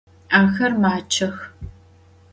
Axer maççex.